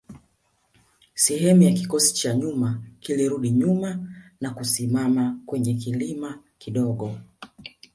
Sehemu ya kikosi cha nyuma kilirudi nyuma na kusimama kwenye kilima kidogo